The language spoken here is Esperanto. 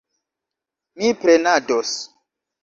Mi prenados.